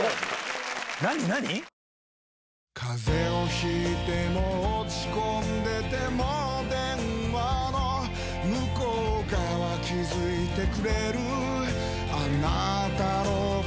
風邪を引いても落ち込んでても電話の向こう側気付いてくれるあなたの声